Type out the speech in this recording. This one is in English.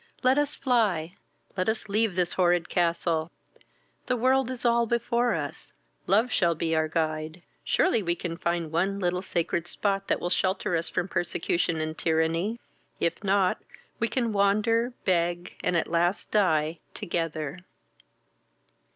Let us fly, let us leave this horrid castle! The world is all before us: love shall be our guide. Surely we can find one little sacred spot that will shelter us from persecution and tyranny; if not, we can wander, beg, and at last die, together."